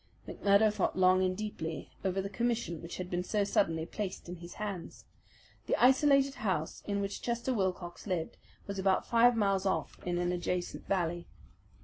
McMurdo thought long and deeply over the commission which had been so suddenly placed in his hands. The isolated house in which Chester Wilcox lived was about five miles off in an adjacent valley.